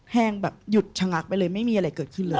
แห้งแบบหยุดชะงักไปเลยไม่มีอะไรเกิดขึ้นเลย